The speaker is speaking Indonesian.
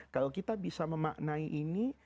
kalau kita bisa memaknai ini